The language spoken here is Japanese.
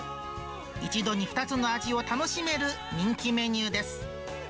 一度に２つの味を楽しめる人気メニューです。